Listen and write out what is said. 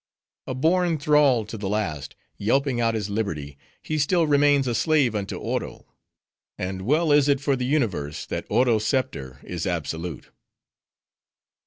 A born thrall to the last, yelping out his liberty, he still remains a slave unto Oro; and well is it for the universe, that Oro's scepter is absolute.